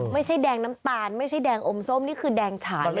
ไม่ใช่แดงน้ำตาลไม่ใช่แดงอมส้มนี่คือแดงฉายเลย